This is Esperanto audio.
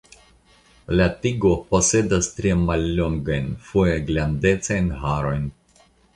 La tigo posedas tre mallongajn foje glandecajn harojn.